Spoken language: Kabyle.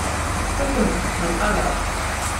Ur kent-ssenqadeɣ.